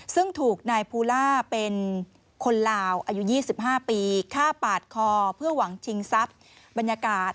ซึ่งถูกนายภูล่าเป็นคนลาวอายุ๒๕ปีฆ่าปาดคอเพื่อหวังชิงทรัพย์บรรยากาศ